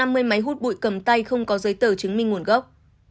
một trăm năm mươi máy hút bụi cầm tay không có giấy tờ chứng minh nguồn gốc